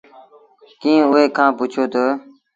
ڪݩهݩ اُئي کآݩ پُڇيو تا